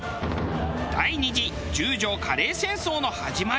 第２次十条カレー戦争の始まり。